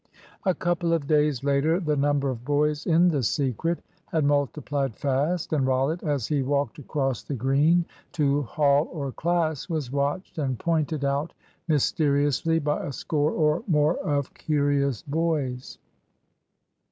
A couple of days later the number of boys in the secret had multiplied fast, and Rollitt, as he walked across the Green to Hall or class, was watched and pointed out mysteriously by a score or more of curious boys.